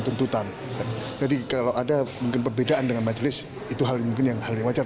jadi kalau ada perbedaan dengan majelis itu hal yang wajar